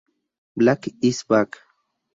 Black is Back".